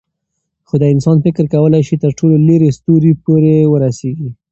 خو د انسان فکر کولی شي تر ټولو لیرې ستورو پورې ورسېږي.